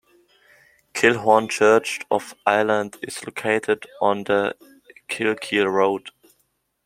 Kilhorne Church of Ireland is located on the Kilkeel road.